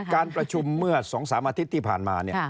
การประชุมเมื่อ๒๓อาทิตย์ที่ผ่านมา